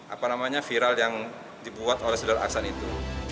apa namanya viral yang dibuat oleh sudara aksan itu